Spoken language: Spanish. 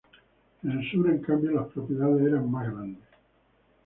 En el sur, en cambio, las propiedades eran más grandes.